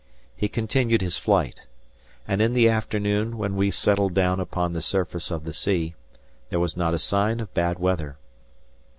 He continued his flight; and in the afternoon, when we settled down upon the surface of the sea, there was not a sign of bad weather.